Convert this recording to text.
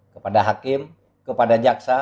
kepada hakim kepada jaksa